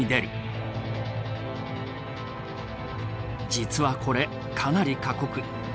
実はこれかなり過酷。